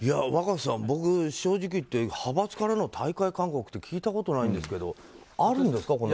若狭さん、僕正直言って派閥からの退会勧告って聞いたことないんですけどあるんですか？